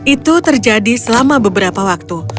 itu terjadi selama beberapa waktu